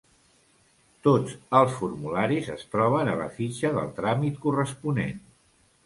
Tots els formularis es troben a la fitxa del tràmit corresponent.